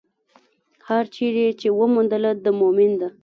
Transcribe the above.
هره چېرې يې چې وموندله، د مؤمن ده.